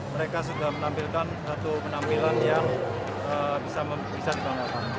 mereka sudah menampilkan satu penampilan yang bisa dibanggakan